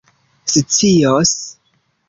scios